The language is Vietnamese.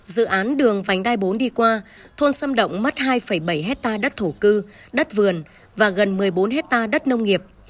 dự án đường vánh đai bốn đi qua thôn sâm động mất hai bảy hectare đất thổ cư đất vườn và gần một mươi bốn hectare đất nông nghiệp